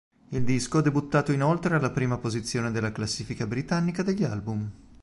Il disco ha debuttato inoltre alla prima posizione della classifica britannica degli album.